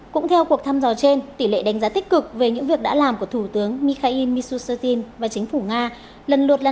cũng theo cuộc thăm dò trên tỷ lệ đánh giá tích cực về những việc đã làm của thủ tướng mikhail mishustin và chính phủ nga lần luật là năm mươi bốn tám và năm mươi một tám